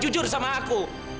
jujur sama aku